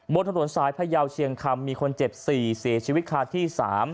บนถนนสายพยาวเชียงคำมีคนเจ็บ๔เสียชีวิตคาที่๓